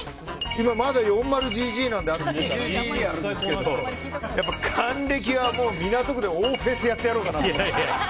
今、まだ４０ＧＧなんであと２０ＧＧあるんですけど還暦は港区で大フェスやってやろうかなって。